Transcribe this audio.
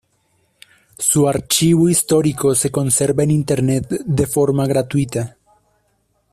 Su archivo histórico se conserva en internet de forma gratuita.